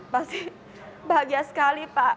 pasti bahagia sekali pak